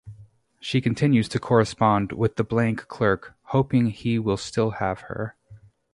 She continues to correspond with the bank clerk, hoping he will still have her.